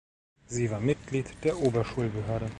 Sie war Mitglied der Oberschulbehörde.